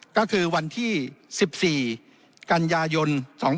ก็คือวันที่๑๔กันยายน๒๕๖๒